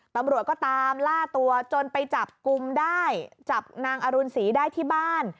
ตำรวจก็ตามล่าตัวจนไปจับกลุ่มได้จับนางอรุณศรีได้ที่บ้าน